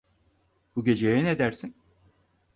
Bu geceye ne dersin?